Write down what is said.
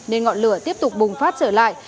nên ngọn lửa tiếp tục bùng phát trở lại